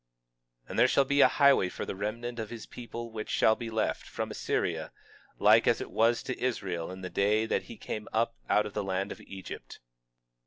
21:16 And there shall be a highway for the remnant of his people which shall be left, from Assyria, like as it was to Israel in the day that he came up out of the land of Egypt.